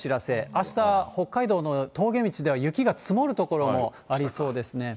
あした、北海道の峠道では雪が積もる所もありそうですね。